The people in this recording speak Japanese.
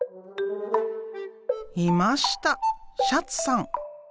いましたシャツさん。